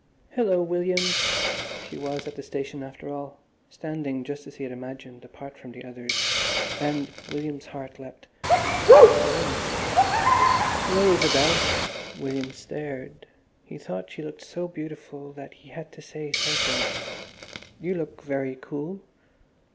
"Hillo, William!" She was at the station after all, standing just as he had imagined, apart from the others, and—William's heart leapt—she was alone. "Hallo, Isabel!" William stared. He thought she looked so beautiful that he had to say something, "You look very cool."